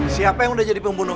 siapa yang udah jadi pembunuh